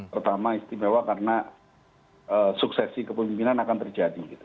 pertama istimewa karena suksesi kepemimpinan akan terjadi gitu